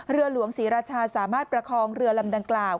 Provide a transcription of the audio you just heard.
เรือหลวงศรีราชาสามารถประคองเรือลำดังกล่าว